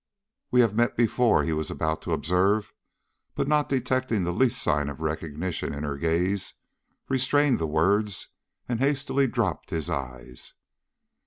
"We have met before," he was about to observe, but not detecting the least sign of recognition in her gaze, restrained the words and hastily dropped his eyes.